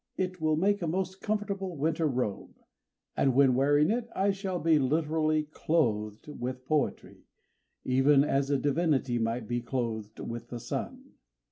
It will make a most comfortable winter robe; and when wearing it, I shall be literally clothed with poetry, even as a divinity might be clothed with the sun.